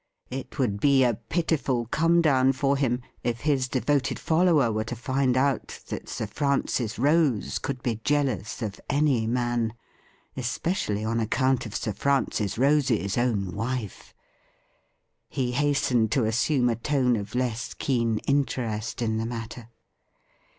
It would be a pitiful come down for him if his devoted follower were to find out that Sir Francis Rose could be jealous of any man — especially on account of Sir Francis Rose's own wife. He hastened to assume a tone of less keen interest in the matter.